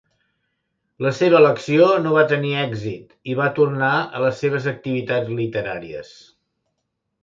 La seva elecció no va tenir èxit i va tornar a les seves activitats literàries.